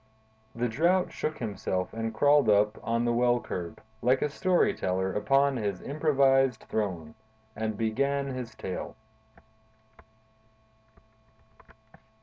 The Drought shook himself and crawled up on the well curb, like a story teller upon his improvised throne, and began his tale.